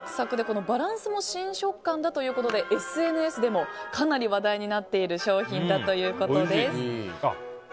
おかきがサクサクでこのバランスも新食感だということでＳＮＳでもかなり話題になっている商品だということです。